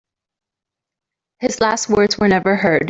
His last words were never heard.